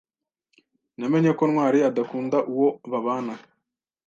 Namenye ko Ntwali adakunda uwo babana.